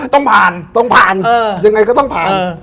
ต้องผ่านต้องผ่านยังไงก็ต้องผ่าน